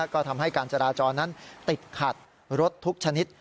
ก็ทำให้การจราจรนั้นติดขัดรถทุกชนิด